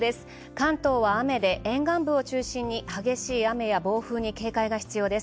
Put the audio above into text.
関東は雨で沿岸部を中心に激しい雨や暴風に警戒が必要です。